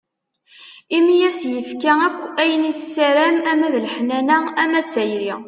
Imi i s-yefka akk ayen i tessaram ama d leḥnana, ama d tayri.